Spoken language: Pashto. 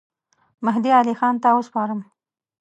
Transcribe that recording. مهدي علي خان ته وسپارم.